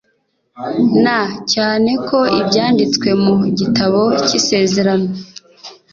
na cyane ko ibyanditswe mu gitabo kisezerano